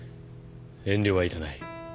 遠慮は要らない。